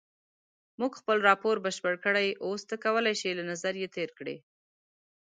مونږ خپل راپور بشپړ کړی اوس ته کولای شې له نظر یې تېر کړې.